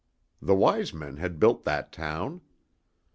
The Wise Men had built that town.